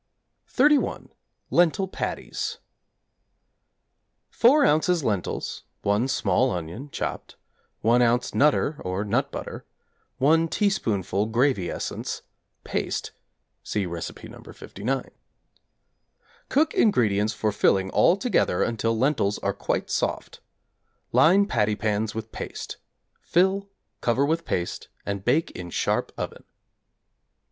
=31. Lentil Patties= 4 ozs. lentils, 1 small onion (chopped), 1 oz. 'Nutter,' or nut butter, 1 teaspoonful gravy essence, paste (see Recipe No. 59). Cook ingredients for filling all together until lentils are quite soft. Line patty pans with paste; fill, cover with paste and bake in sharp oven.